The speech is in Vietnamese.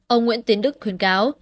ông nguyễn tiến đức khuyến cáo